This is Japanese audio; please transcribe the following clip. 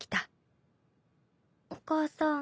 お母さん